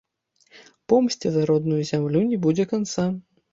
Помсце за родную зямлю не будзе канца!